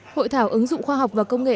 hội thảo ứng dụng khoa học và công nghệ